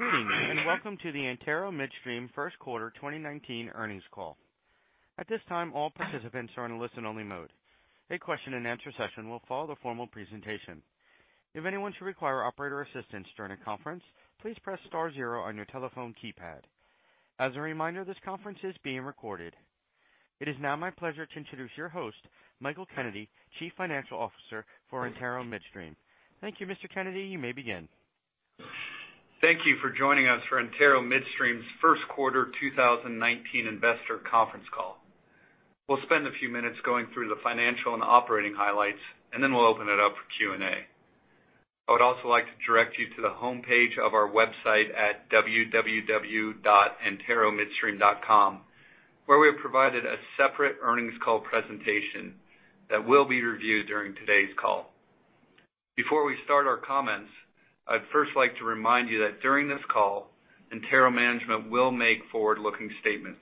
Greetings, welcome to the Antero Midstream first quarter 2019 earnings call. At this time, all participants are in a listen-only mode. A question and answer session will follow the formal presentation. If anyone should require operator assistance during the conference, please press star zero on your telephone keypad. As a reminder, this conference is being recorded. It is now my pleasure to introduce your host, Michael Kennedy, Chief Financial Officer for Antero Midstream. Thank you, Mr. Kennedy. You may begin. Thank you for joining us for Antero Midstream's first quarter 2019 investor conference call. We'll spend a few minutes going through the financial and operating highlights, then we'll open it up for Q&A. I would also like to direct you to the homepage of our website at www.anteromidstream.com, where we have provided a separate earnings call presentation that will be reviewed during today's call. Before we start our comments, I'd first like to remind you that during this call, Antero management will make forward-looking statements.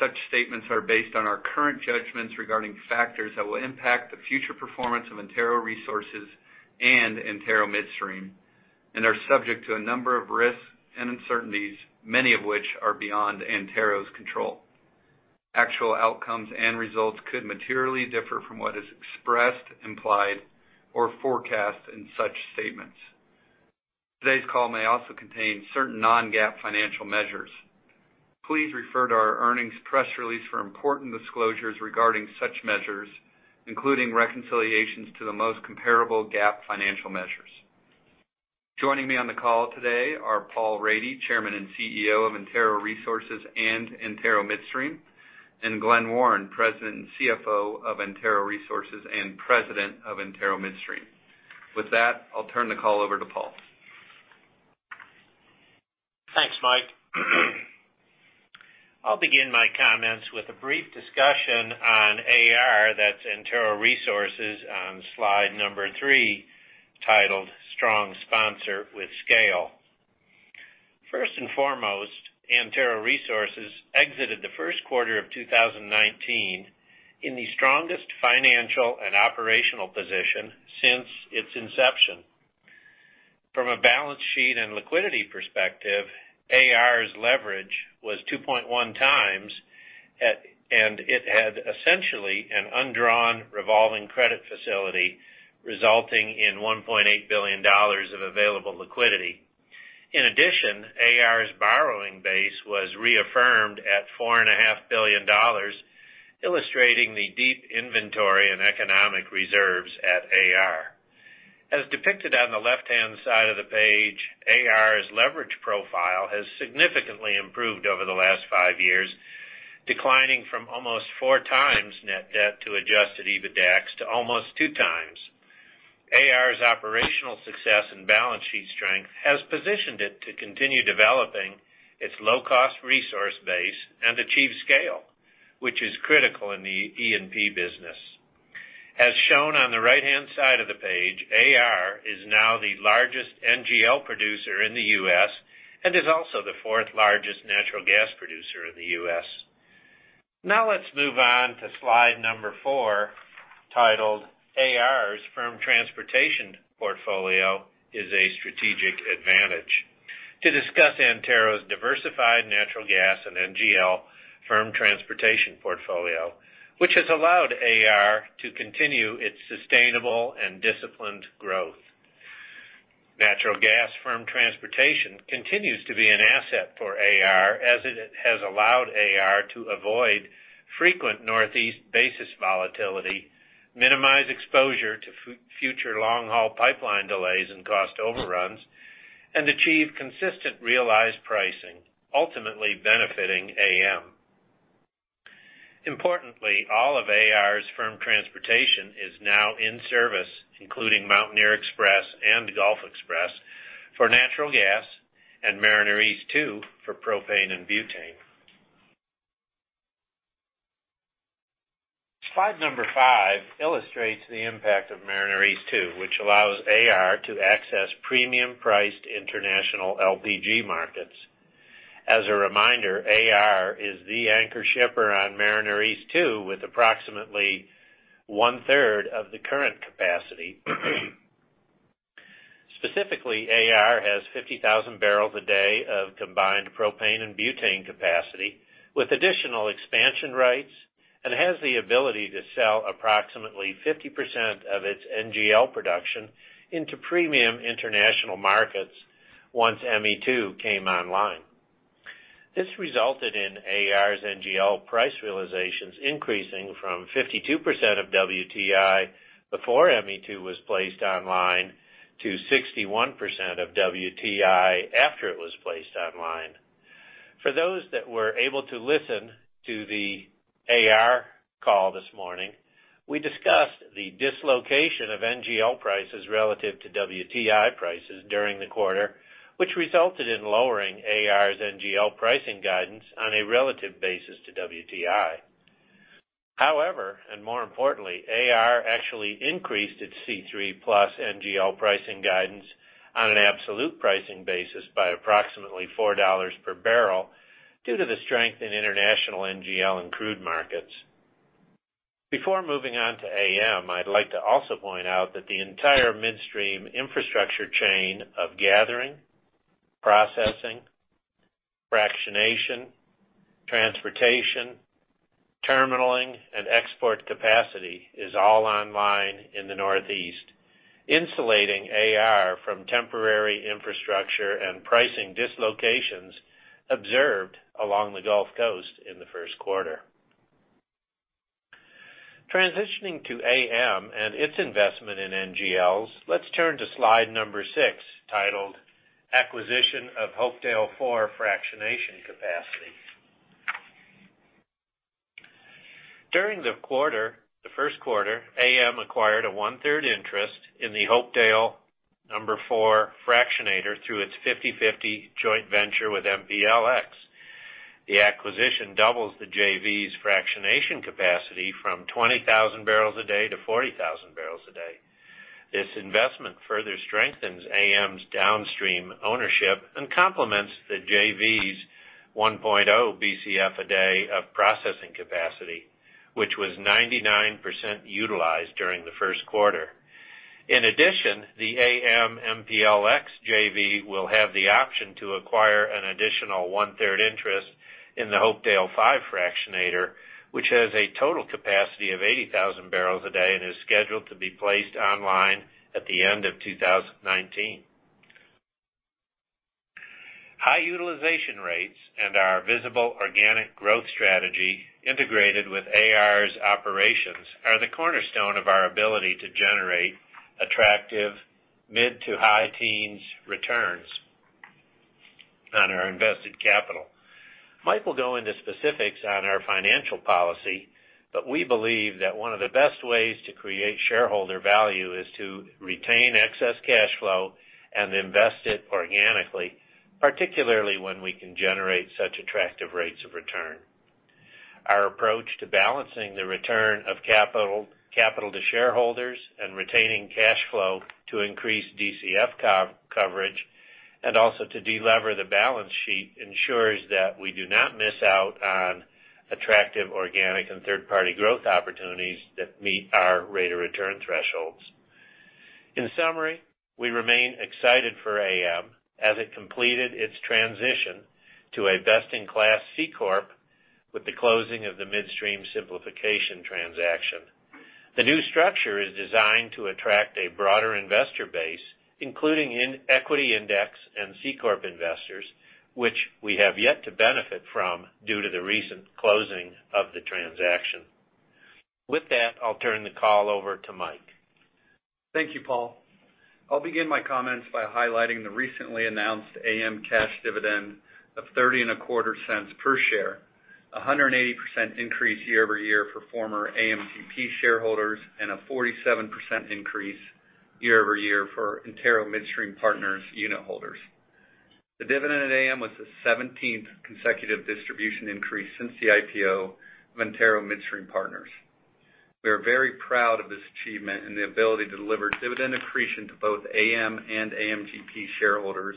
Such statements are based on our current judgments regarding factors that will impact the future performance of Antero Resources and Antero Midstream and are subject to a number of risks and uncertainties, many of which are beyond Antero's control. Actual outcomes and results could materially differ from what is expressed, implied, or forecast in such statements. Today's call may also contain certain non-GAAP financial measures. Please refer to our earnings press release for important disclosures regarding such measures, including reconciliations to the most comparable GAAP financial measures. Joining me on the call today are Paul Rady, Chairman and CEO of Antero Resources and Antero Midstream, Glen Warren, President and CFO of Antero Resources and President of Antero Midstream. With that, I'll turn the call over to Paul. Thanks, Mike. I'll begin my comments with a brief discussion on AR, that's Antero Resources, on slide number three, titled Strong Sponsor with Scale. First and foremost, Antero Resources exited the first quarter of 2019 in the strongest financial and operational position since its inception. From a balance sheet and liquidity perspective, AR's leverage was 2.1 times, it had essentially an undrawn revolving credit facility resulting in $1.8 billion of available liquidity. In addition, AR's borrowing base was reaffirmed at $4.5 billion, illustrating the deep inventory and economic reserves at AR. As depicted on the left-hand side of the page, AR's leverage profile has significantly improved over the last five years, declining from almost four times net debt to adjusted EBITDAX to almost two times. AR's operational success and balance sheet strength has positioned it to continue developing its low-cost resource base and achieve scale, which is critical in the E&P business. As shown on the right-hand side of the page, AR is now the largest NGL producer in the U.S. and is also the fourth-largest natural gas producer in the U.S. Let's move on to slide number four, titled AR's Firm Transportation Portfolio is a Strategic Advantage, to discuss Antero's diversified natural gas and NGL firm transportation portfolio, which has allowed AR to continue its sustainable and disciplined growth. Natural gas firm transportation continues to be an asset for AR as it has allowed AR to avoid frequent Northeast basis volatility, minimize exposure to future long-haul pipeline delays and cost overruns, and achieve consistent realized pricing, ultimately benefiting AM. Importantly, all of AR's firm transportation is now in service, including Mountaineer Xpress and Gulf XPress for natural gas and Mariner East 2 for propane and butane. Slide number five illustrates the impact of Mariner East 2, which allows AR to access premium-priced international LPG markets. As a reminder, AR is the anchor shipper on Mariner East 2 with approximately one-third of the current capacity. Specifically, AR has 50,000 barrels a day of combined propane and butane capacity with additional expansion rights and has the ability to sell approximately 50% of its NGL production into premium international markets once ME2 came online. This resulted in AR's NGL price realizations increasing from 52% of WTI before ME2 was placed online to 61% of WTI after it was placed online. For those that were able to listen to the AR call this morning, we discussed the dislocation of NGL prices relative to WTI prices during the quarter, which resulted in lowering AR's NGL pricing guidance on a relative basis to WTI. More importantly, AR actually increased its C3+ NGL pricing guidance on an absolute pricing basis by approximately $4 per barrel due to the strength in international NGL and crude markets. Before moving on to AM, I'd like to also point out that the entire midstream infrastructure chain of gathering, processing, fractionation, transportation, terminaling, and export capacity is all online in the Northeast, insulating AR from temporary infrastructure and pricing dislocations observed along the Gulf Coast in the first quarter. Transitioning to AM and its investment in NGLs, let's turn to slide number six, titled Acquisition of Hopedale four Fractionation Capacity. During the first quarter, AM acquired a one-third interest in the Hopedale number four fractionator through its 50/50 joint venture with MPLX. The acquisition doubles the JV's fractionation capacity from 20,000 barrels a day to 40,000 barrels a day. This investment further strengthens AM's downstream ownership and complements the JV's 1.0 BCF a day of processing capacity, which was 99% utilized during the first quarter. In addition, the AM MPLX JV will have the option to acquire an additional one-third interest in the Hopedale five fractionator, which has a total capacity of 80,000 barrels a day and is scheduled to be placed online at the end of 2019. High utilization rates and our visible organic growth strategy integrated with AR's operations are the cornerstone of our ability to generate attractive mid-to-high teens returns on our invested capital. Michael will go into specifics on our financial policy. We believe that one of the best ways to create shareholder value is to retain excess cash flow and invest it organically, particularly when we can generate such attractive rates of return. Our approach to balancing the return of capital to shareholders and retaining cash flow to increase DCF coverage, and also to de-lever the balance sheet, ensures that we do not miss out on attractive organic and third-party growth opportunities that meet our rate of return thresholds. In summary, we remain excited for AM as it completed its transition to a best-in-class C corp with the closing of the midstream simplification transaction. The new structure is designed to attract a broader investor base, including in equity index and C corp investors, which we have yet to benefit from due to the recent closing of the transaction. With that, I'll turn the call over to Michael. Thank you, Paul. I'll begin my comments by highlighting the recently announced AM cash dividend of $0.3025 per share, a 180% increase year-over-year for former AMTP shareholders and a 47% increase year-over-year for Antero Midstream Partners unit holders. The dividend at AM was the 17th consecutive distribution increase since the IPO of Antero Midstream Partners. We are very proud of this achievement and the ability to deliver dividend accretion to both AM and AMTP shareholders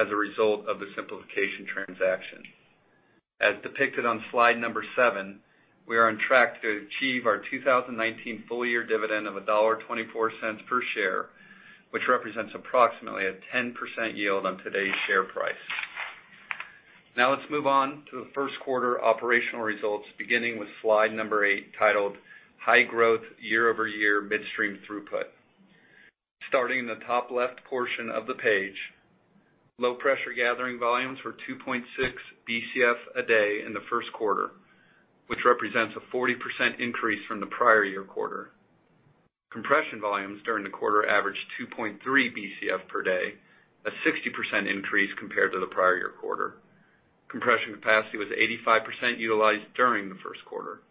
as a result of the simplification transaction. As depicted on slide seven, we are on track to achieve our 2019 full-year dividend of $1.24 per share, which represents approximately a 10% yield on today's share price. Now let's move on to the first quarter operational results, beginning with slide eight, titled High Growth Year-Over-Year Midstream Throughput. Starting in the top left portion of the page, low pressure gathering volumes were 2.6 BCF per day in the first quarter, which represents a 40% increase from the prior year quarter. Compression volumes during the quarter averaged 2.3 BCF per day, a 60% increase compared to the prior year quarter. Compression capacity was 85% utilized during the first quarter.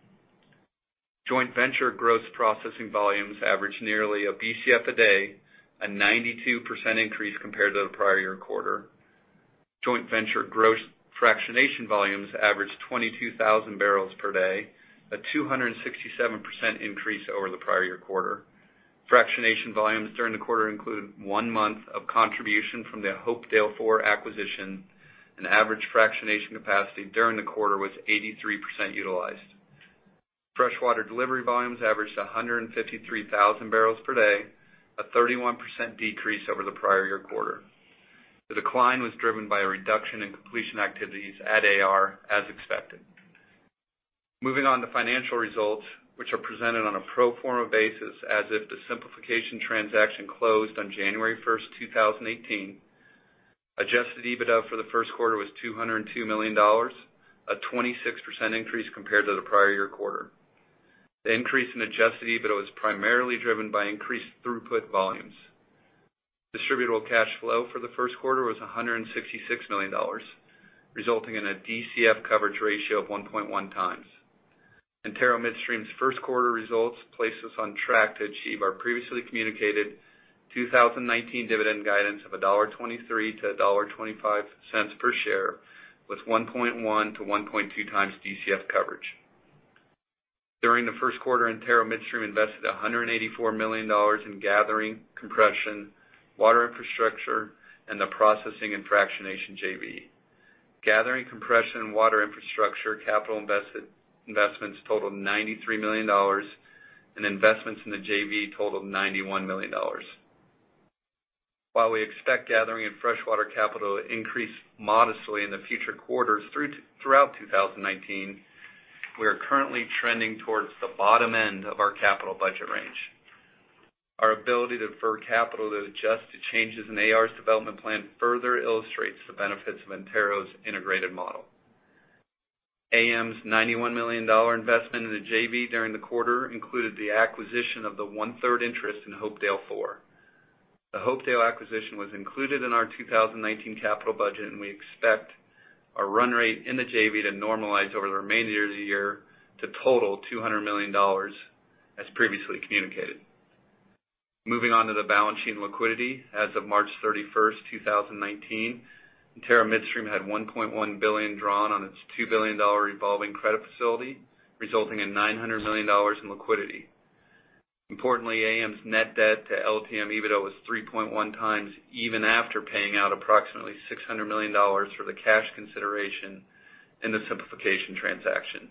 Joint venture gross processing volumes averaged nearly 1 BCF per day, a 92% increase compared to the prior year quarter. Joint venture gross fractionation volumes averaged 22,000 barrels per day, a 267% increase over the prior year quarter. Fractionation volumes during the quarter included one month of contribution from the Hopedale four acquisition, and average fractionation capacity during the quarter was 83% utilized. Freshwater delivery volumes averaged 153,000 barrels per day, a 31% decrease over the prior year quarter. The decline was driven by a reduction in completion activities at AR as expected. Moving on to financial results, which are presented on a pro forma basis as if the simplification transaction closed on January 1st, 2018. Adjusted EBITDA for the first quarter was $202 million, a 26% increase compared to the prior year quarter. The increase in Adjusted EBITDA was primarily driven by increased throughput volumes. Distributable Cash Flow for the first quarter was $166 million, resulting in a DCF coverage ratio of 1.1 times. Antero Midstream's first quarter results place us on track to achieve our previously communicated 2019 dividend guidance of $1.23-$1.25 per share, with 1.1-1.2 times DCF coverage. During the first quarter, Antero Midstream invested $184 million in gathering, compression, water infrastructure, and the processing and fractionation JV. Gathering, compression, and water infrastructure capital investments totaled $93 million, and investments in the JV totaled $91 million. While we expect gathering and fresh water capital to increase modestly in the future quarters throughout 2019, we are currently trending towards the bottom end of our capital budget range. Our ability to defer capital to adjust to changes in AR's development plan further illustrates the benefits of Antero's integrated model. AM's $91 million investment in the JV during the quarter included the acquisition of the one-third interest in Hopedale4. The Hopedale acquisition was included in our 2019 capital budget, and we expect our run rate in the JV to normalize over the remaining years of the year to total $200 million as previously communicated. Moving on to the balance sheet and liquidity. As of March 31st, 2019, Antero Midstream had $1.1 billion drawn on its $2 billion revolving credit facility, resulting in $900 million in liquidity. Importantly, AM's net debt to LTM EBITDA was 3.1 times, even after paying out approximately $600 million for the cash consideration in the simplification transaction.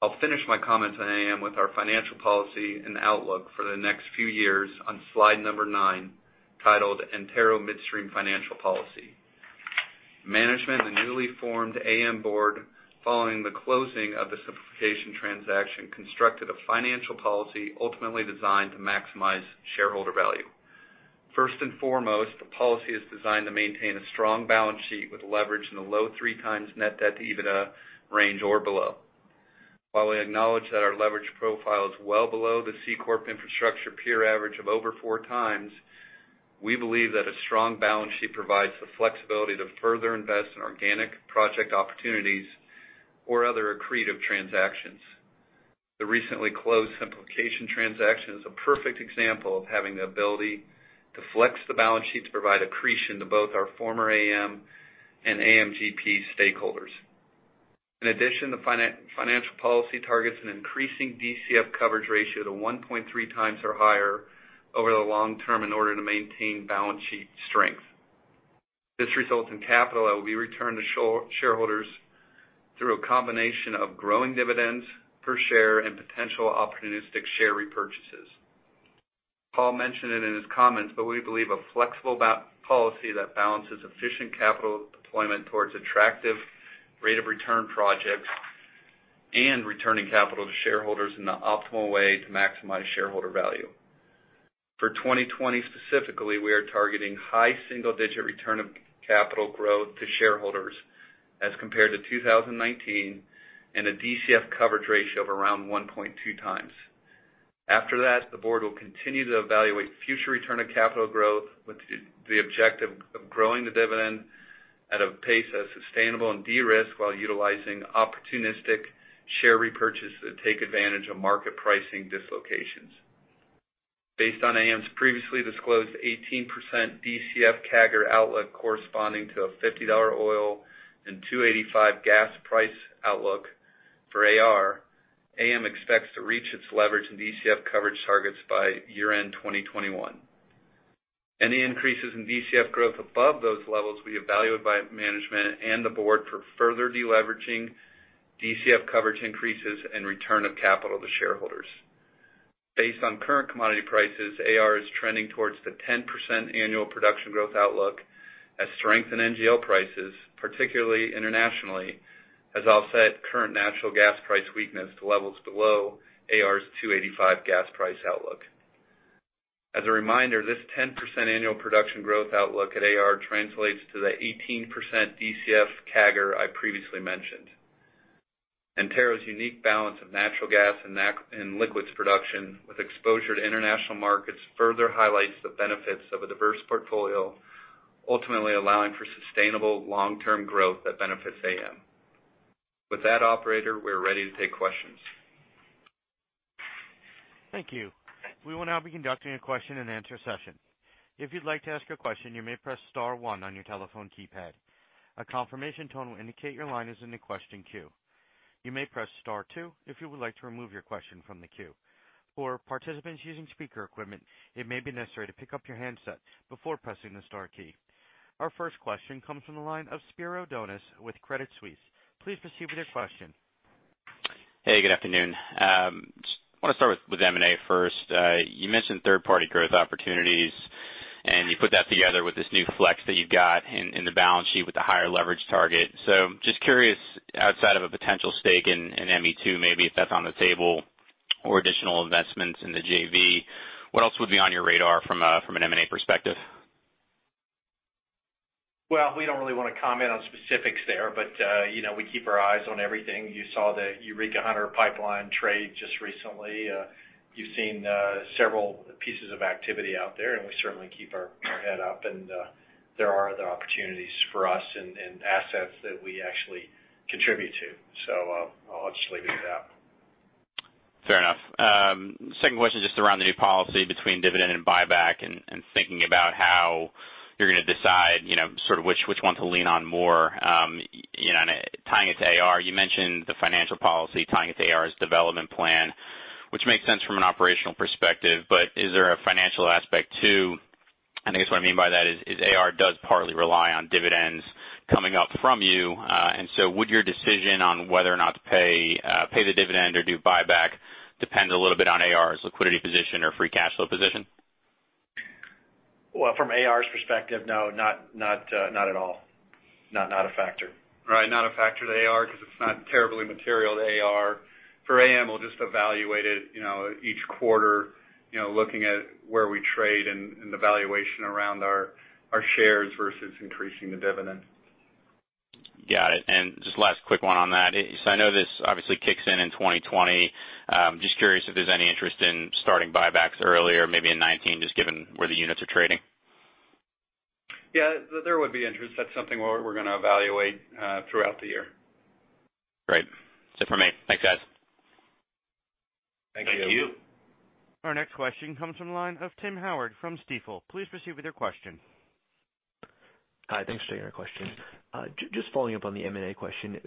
I'll finish my comments on AM with our financial policy and outlook for the next few years on slide number nine, titled Antero Midstream Financial Policy. Management and the newly formed AM board, following the closing of the simplification transaction, constructed a financial policy ultimately designed to maximize shareholder value. First and foremost, the policy is designed to maintain a strong balance sheet with leverage in the low three times net debt to EBITDA range or below. While we acknowledge that our leverage profile is well below the C corp infrastructure peer average of over four times, we believe that a strong balance sheet provides the flexibility to further invest in organic project opportunities or other accretive transactions. The recently closed simplification transaction is a perfect example of having the ability to flex the balance sheet to provide accretion to both our former AM and AM GP stakeholders. In addition, the financial policy targets an increasing DCF coverage ratio to 1.3 times or higher over the long term in order to maintain balance sheet strength. This results in capital that will be returned to shareholders through a combination of growing dividends per share and potential opportunistic share repurchases. Paul mentioned it in his comments, we believe a flexible policy that balances efficient capital deployment towards attractive rate of return projects and returning capital to shareholders in the optimal way to maximize shareholder value. For 2020 specifically, we are targeting high single-digit return of capital growth to shareholders as compared to 2019, and a DCF coverage ratio of around 1.2 times. After that, the board will continue to evaluate future return of capital growth with the objective of growing the dividend at a pace that's sustainable and de-risk while utilizing opportunistic share repurchases that take advantage of market pricing dislocations. Based on AM's previously disclosed 18% DCF CAGR outlook corresponding to a $50 oil and $2.85 gas price outlook for AR, AM expects to reach its leverage and DCF coverage targets by year-end 2021. Any increases in DCF growth above those levels will be evaluated by management and the board for further de-leveraging DCF coverage increases and return of capital to shareholders. Based on current commodity prices, AR is trending towards the 10% annual production growth outlook as strength in NGL prices, particularly internationally, has offset current natural gas price weakness to levels below AR's $2.85 gas price outlook. As a reminder, this 10% annual production growth outlook at AR translates to the 18% DCF CAGR I previously mentioned. Antero's unique balance of natural gas and liquids production with exposure to international markets further highlights the benefits of a diverse portfolio, ultimately allowing for sustainable long-term growth that benefits AM. Operator, we're ready to take questions. Thank you. We will now be conducting a question and answer session. If you'd like to ask a question, you may press star one on your telephone keypad. A confirmation tone will indicate your line is in the question queue. You may press star two if you would like to remove your question from the queue. For participants using speaker equipment, it may be necessary to pick up your handset before pressing the star key. Our first question comes from the line of Spiro Dounis with Credit Suisse. Please proceed with your question. Hey, good afternoon. I want to start with M&A first. You mentioned third-party growth opportunities, you put that together with this new flex that you've got in the balance sheet with the higher leverage target. Just curious, outside of a potential stake in ME2, maybe if that's on the table or additional investments in the JV, what else would be on your radar from an M&A perspective? Well, we don't really want to comment on specifics there, but we keep our eyes on everything. You saw the Eureka Hunter Pipeline trade just recently. You've seen several pieces of activity out there, we certainly keep our head up, and there are other opportunities for us and assets that we actually contribute to. I'll just leave it at that. Fair enough. Second question, just around the new policy between dividend and buyback and thinking about how you're going to decide which one to lean on more. Tying it to AR, you mentioned the financial policy tying it to AR's development plan. Which makes sense from an operational perspective, but is there a financial aspect, too? I guess what I mean by that is, AR does partly rely on dividends coming up from you. Would your decision on whether or not to pay the dividend or do buyback depend a little bit on AR's liquidity position or free cash flow position? Well, from AR's perspective, no, not at all. Not a factor. Right, not a factor to AR because it's not terribly material to AR. For AM, we'll just evaluate it each quarter, looking at where we trade and the valuation around our shares versus increasing the dividend. Got it. Just last quick one on that. I know this obviously kicks in in 2020. Just curious if there's any interest in starting buybacks earlier, maybe in 2019, just given where the units are trading. Yeah, there would be interest. That's something we're going to evaluate throughout the year. Great. That's it for me. Thanks, guys. Thank you. Thank you. Our next question comes from the line of Timothy Howard from Stifel. Please proceed with your question. Hi, thanks for taking our question. Just following up on the M&A question.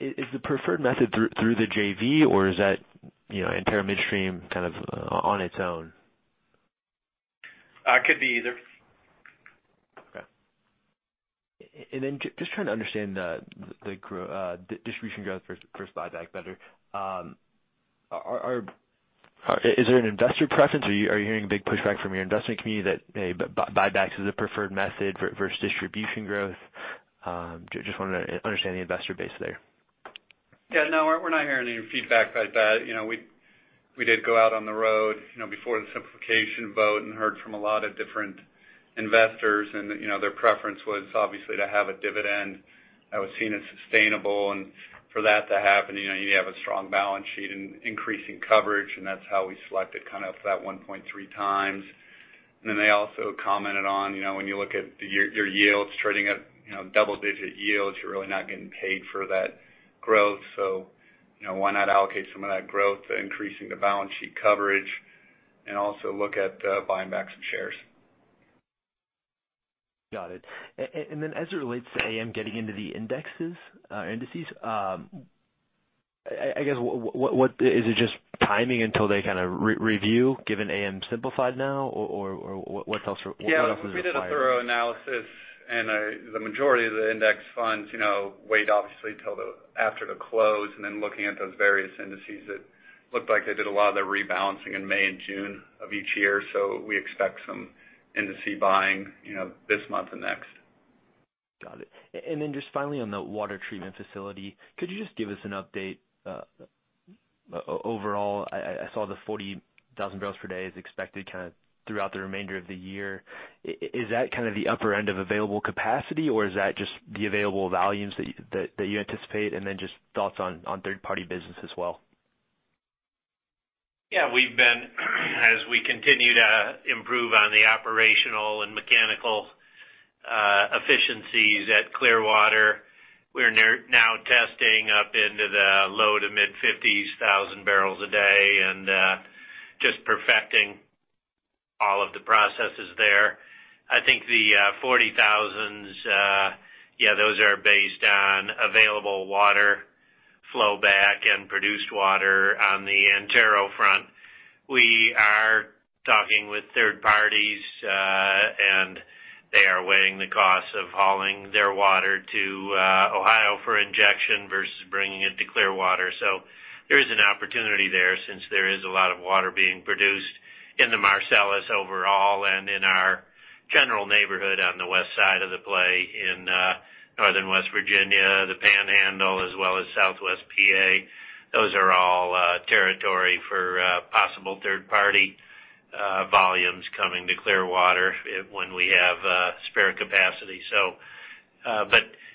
Is the preferred method through the JV, or is that Antero Midstream kind of on its own? Could be either. Okay. Just trying to understand the distribution growth versus buyback better. Is there an investor preference, or are you hearing a big pushback from your investment community that buyback is the preferred method versus distribution growth? Just wanted to understand the investor base there. Yeah, no, we're not hearing any feedback like that. We did go out on the road before the simplification vote and heard from a lot of different investors, and their preference was obviously to have a dividend that was seen as sustainable. For that to happen, you have a strong balance sheet and increasing coverage, and that's how we selected kind of that 1.3 times. They also commented on when you look at your yields trading at double-digit yields, you're really not getting paid for that growth. Why not allocate some of that growth to increasing the balance sheet coverage and also look at buying back some shares? Got it. As it relates to AM getting into the indices, I guess is it just timing until they kind of review given AM simplified now, or what else is required? Yeah, we did a thorough analysis, the majority of the index funds wait obviously till after the close, looking at those various indices, it looked like they did a lot of the rebalancing in May and June of each year. We expect some industry buying this month and next. Got it. Just finally on the water treatment facility, could you just give us an update overall? I saw the 40,000 barrels per day is expected kind of throughout the remainder of the year. Is that kind of the upper end of available capacity, or is that just the available volumes that you anticipate? Just thoughts on third-party business as well. Yeah, as we continue to improve on the operational and mechanical efficiencies at Clearwater, we're now testing up into the low to mid-50,000 barrels a day and just perfecting all of the processes there. I think the 40,000, yeah, those are based on available water flow back and produced water on the Antero front. We are talking with third parties, and they are weighing the cost of hauling their water to Ohio for injection versus bringing it to Clearwater. There is an opportunity there since there is a lot of water being produced in the Marcellus overall and in our general neighborhood on the west side of the play in Northern West Virginia, the Panhandle, as well as Southwest PA. Those are all territory for possible third-party volumes coming to Clearwater when we have spare capacity.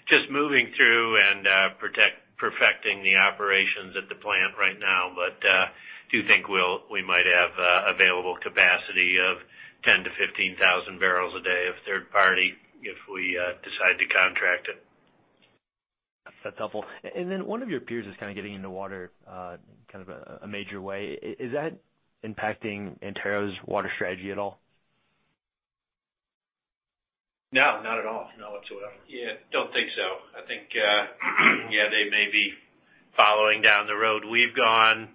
Just moving through and perfecting the operations at the plant right now, but do think we might have available capacity of 10,000 barrels a day-15,000 barrels a day of third party if we decide to contract it. That's helpful. One of your peers is kind of getting into water, kind of a major way. Is that impacting Antero's water strategy at all? No, not at all. Not whatsoever. Yeah, don't think so. I think yeah, they may be following down the road we've gone.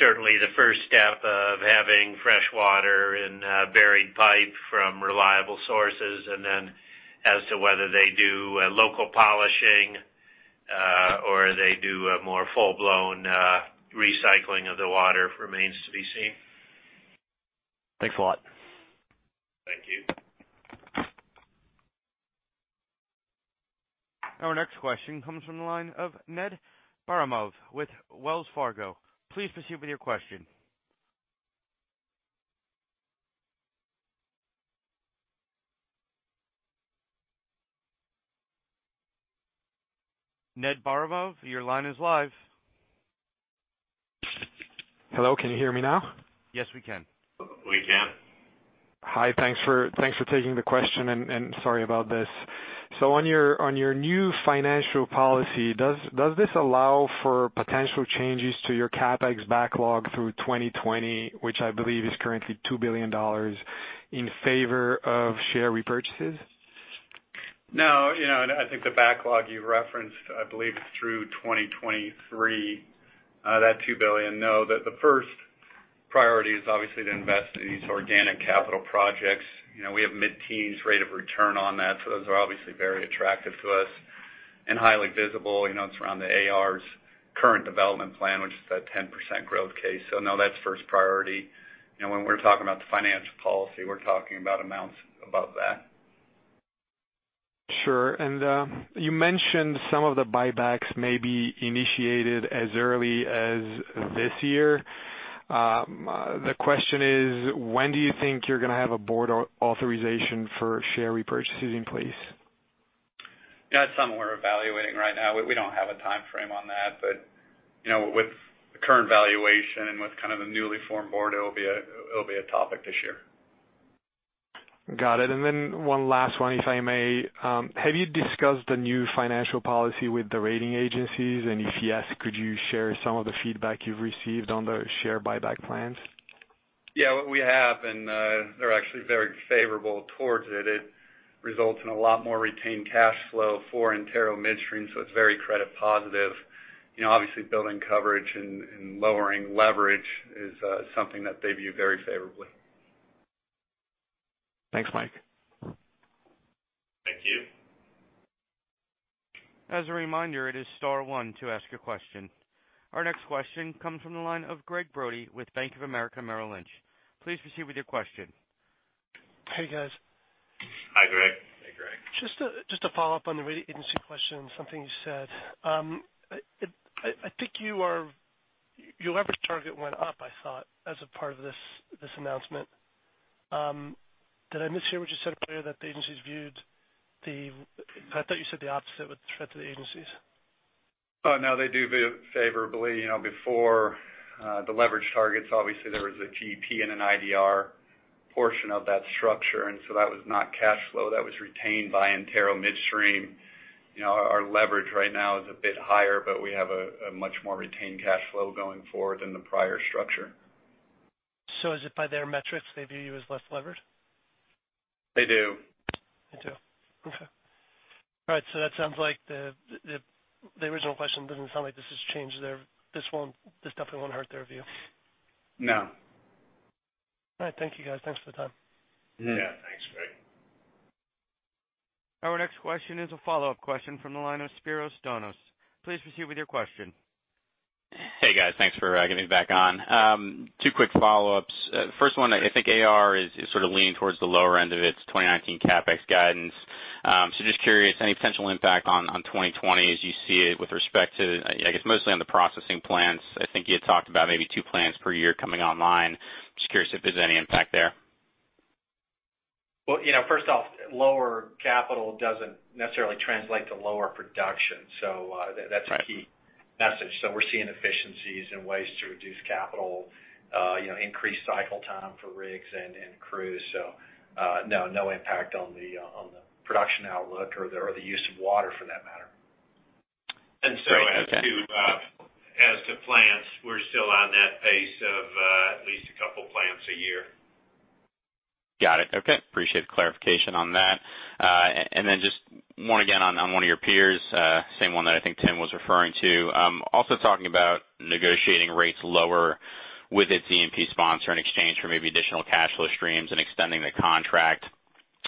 Certainly the first step of having fresh water and buried pipe from reliable sources, and then as to whether they do local polishing or they do a more full-blown recycling of the water remains to be seen. Thanks a lot. Thank you. Our next question comes from the line of Ned Baramov with Wells Fargo. Please proceed with your question. Ned Baramov, your line is live. Hello, can you hear me now? Yes, we can. We can. Hi, thanks for taking the question, and sorry about this. On your new financial policy, does this allow for potential changes to your CapEx backlog through 2020, which I believe is currently $2 billion, in favor of share repurchases? No, I think the backlog you referenced, I believe, is through 2023, that $2 billion. The first priority is obviously to invest in these organic capital projects. We have mid-teens rate of return on that, those are obviously very attractive to us and highly visible. It's around the AR's current development plan, which is that 10% growth case. No, that's first priority. When we're talking about the financial policy, we're talking about amounts above that. Sure. You mentioned some of the buybacks may be initiated as early as this year. The question is, when do you think you're going to have a board authorization for share repurchases in place? Yeah, it's something we're evaluating right now. We don't have a timeframe on that, but with the current valuation and with kind of the newly formed board, it'll be a topic this year. Got it. One last one, if I may. Have you discussed the new financial policy with the rating agencies? If yes, could you share some of the feedback you've received on the share buyback plans? Yeah. We have, they're actually very favorable towards it. It results in a lot more retained cash flow for Antero Midstream, it's very credit positive. Obviously, building coverage and lowering leverage is something that they view very favorably. Thanks, Mike. Thank you. As a reminder, it is star one to ask a question. Our next question comes from the line of Gregg Brody with Bank of America Merrill Lynch. Please proceed with your question. Hey, guys. Hi, Gregg. Hey, Gregg. Just to follow up on the rating agency question, something you said. I think your leverage target went up, I thought, as a part of this announcement. Did I mishear what you said earlier that the agencies viewed I thought you said the opposite with the threat to the agencies? No, they do view it favorably. Before the leverage targets, obviously, there was a GP and an IDR portion of that structure, that was not cash flow. That was retained by Antero Midstream. Our leverage right now is a bit higher, but we have a much more retained cash flow going forward than the prior structure. Is it by their metrics, they view you as less levered? They do. They do. Okay. All right, that sounds like the original question doesn't sound like this has changed this definitely won't hurt their view. No. All right. Thank you, guys. Thanks for the time. Yeah. Thanks, Gregg. Our next question is a follow-up question from the line of Spiro Dounis. Please proceed with your question. Hey, guys. Thanks for getting back on. Two quick follow-ups. First one, I think AR is sort of leaning towards the lower end of its 2019 CapEx guidance. Just curious, any potential impact on 2020 as you see it with respect to, I guess, mostly on the processing plants. I think you had talked about maybe two plants per year coming online. Just curious if there's any impact there. First off, lower capital doesn't necessarily translate to lower production. That's a key message. We're seeing efficiencies and ways to reduce capital, increase cycle time for rigs and crews. No impact on the production outlook or the use of water for that matter. As to plants, we're still on that pace of at least a couple plants a year. Got it. Okay. Appreciate the clarification on that. Just one again on one of your peers, same one that I think Tim was referring to. Also talking about negotiating rates lower with its E&P sponsor in exchange for maybe additional cash flow streams and extending the contract.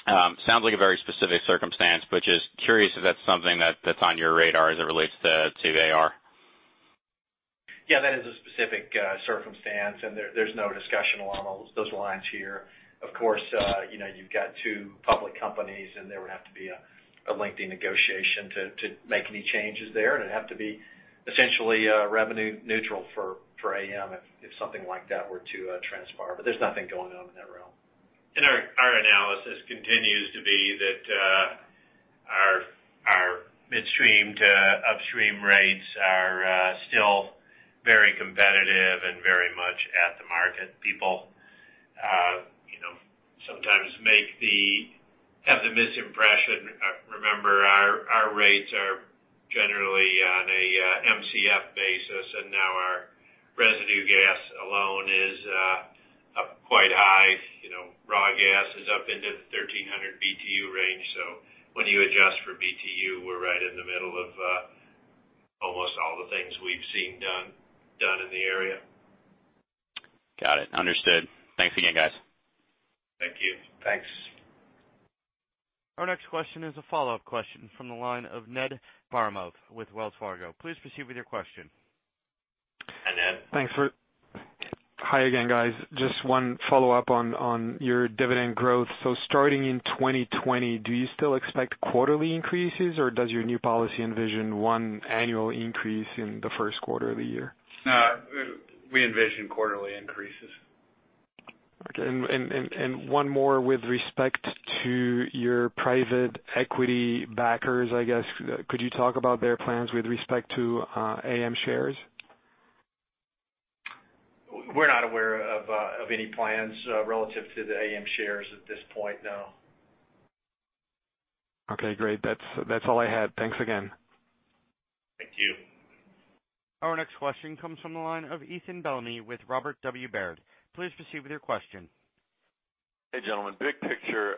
Sounds like a very specific circumstance, but just curious if that's something that's on your radar as it relates to AR. Yeah, that is a specific circumstance, and there's no discussion along those lines here. Of course, you've got two public companies, and there would have to be a lengthy negotiation to make any changes there, and it'd have to be essentially revenue neutral for AM if something like that were to transpire. There's nothing going on in that realm. Our analysis continues to be that our midstream to upstream rates are still very competitive and very much at the market. People sometimes have the misimpression. Remember, our rates are generally on a MCF basis, and now our residue gas alone is up quite high. Raw gas is up into the 1,300 BTU range. When you adjust for BTU, we're right in the middle of almost all the things we've seen done in the area. Got it. Understood. Thanks again, guys. Thank you. Thanks. Our next question is a follow-up question from the line of Ned Baramov with Wells Fargo. Please proceed with your question. Hi, Ned. Thanks. Hi again, guys. Just one follow-up on your dividend growth. Starting in 2020, do you still expect quarterly increases, or does your new policy envision one annual increase in the first quarter of the year? No, we envision quarterly increases. Okay. One more with respect to your private equity backers, I guess. Could you talk about their plans with respect to AM shares? We're not aware of any plans relative to the AM shares at this point, no. Okay, great. That's all I had. Thanks again. Thank you. Our next question comes from the line of Ethan Bellamy with Robert W. Baird. Please proceed with your question. Hey, gentlemen. Big picture.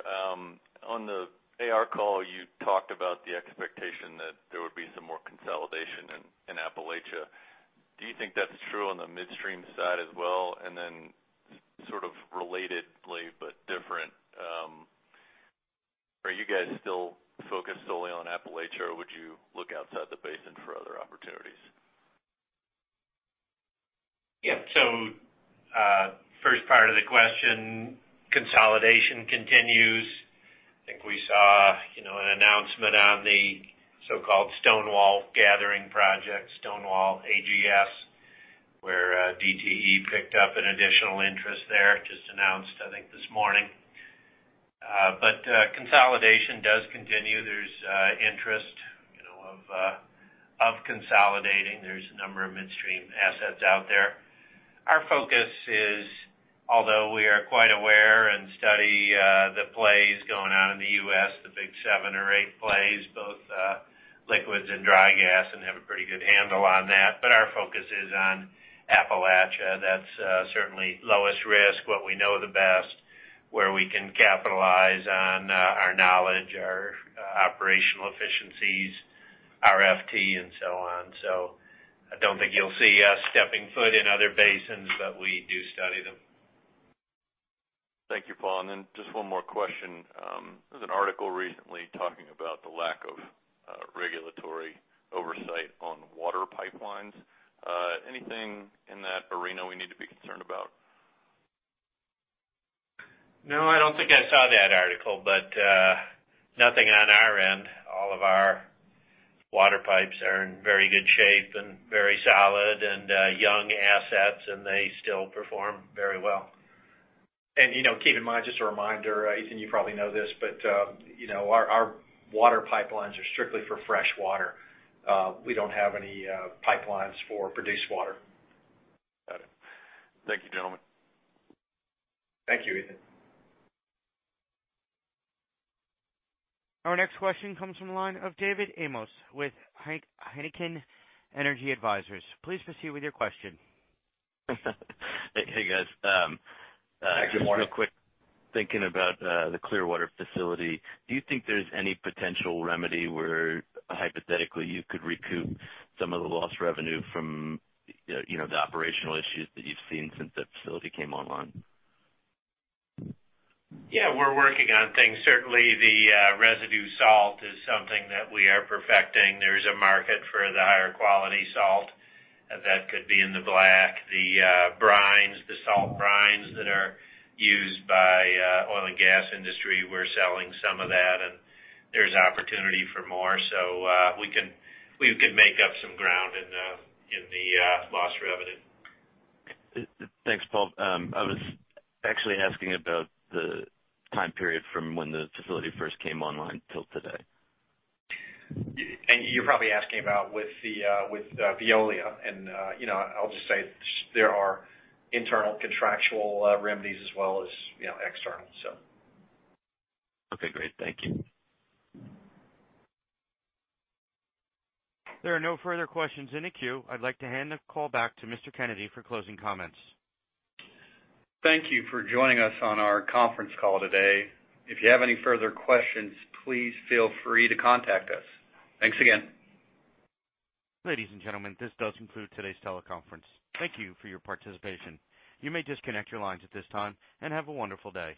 On the AR call, you talked about the expectation that there would be some more consolidation in Appalachia. Do you think that's true on the midstream side as well? Then sort of relatedly but different, are you guys still focused solely on Appalachia, or would you look outside the basin for other opportunities? Yeah. First part of the question, consolidation continues. I think we saw an announcement on the so-called Stonewall Gathering project, Stonewall AGS, where DTE picked up an additional interest there, just announced, I think, this morning. Consolidation does continue. There's interest of consolidating. There's a number of midstream assets out there. Our focus is, although we are quite aware and study the plays going on in the U.S., the big seven or eight plays, both liquids and dry gas, and have a pretty good handle on that, but our focus is on Appalachia. That's certainly lowest risk, what we know the best, where we can capitalize on our knowledge, our operational efficiencies, RFT, and so on. I don't think you'll see us stepping foot in other basins, but we do study them. Thank you, Paul. Just one more question. There was an article recently talking about the lack of regulatory oversight on water pipelines. Anything in that arena we need to be concerned about? No, I don't think I saw that article, but nothing on our end. All of our water pipes are in very good shape and very solid, and young assets, and they still perform very well. Keep in mind, just a reminder, Ethan, you probably know this, but our water pipelines are strictly for fresh water. We don't have any pipelines for produced water. Got it. Thank you, gentlemen. Thank you, Ethan. Our next question comes from the line of David Amos with Heikkinen Energy Advisors. Please proceed with your question. Hey, guys. Good morning. Just real quick, thinking about the Clearwater facility. Do you think there's any potential remedy where hypothetically you could recoup some of the lost revenue from the operational issues that you've seen since the facility came online? Yeah. We're working on things. Certainly, the residue salt is something that we are perfecting. There's a market for the higher quality salt that could be in the black. The brines, the salt brines that are used by oil and gas industry, we're selling some of that, and there's opportunity for more. We can make up some ground in the lost revenue. Thanks, Paul. I was actually asking about the time period from when the facility first came online till today. You're probably asking about with Veolia. I'll just say there are internal contractual remedies as well as external. Okay, great. Thank you. There are no further questions in the queue. I'd like to hand the call back to Mr. Kennedy for closing comments. Thank you for joining us on our conference call today. If you have any further questions, please feel free to contact us. Thanks again. Ladies and gentlemen, this does conclude today's teleconference. Thank you for your participation. You may disconnect your lines at this time, and have a wonderful day.